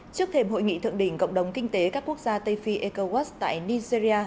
trước thêm hội nghị thượng đỉnh cộng đồng kinh tế các quốc gia tây phi ecowas tại nigeria